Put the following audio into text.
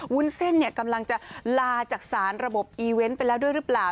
วุ้นเส้นกำลังจะลาจากสารระบบอีเวนต์ไปแล้วด้วยหรือเปล่า